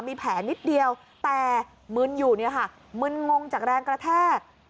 มีแผลนิดเดียวแต่มึนอยู่เนี่ยค่ะมึนงงจากแรงกระแทก